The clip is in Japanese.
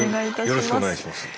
よろしくお願いします。